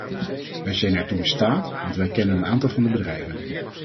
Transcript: Wij zijn ertoe in staat, want wij kennen een aantal van de bedrijven.